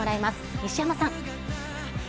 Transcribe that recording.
西山さん。